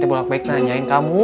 boleh baik baik nanyain kamu